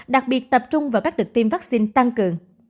đặc biệt tập trung vào các đợt tiêm vaccine tăng cường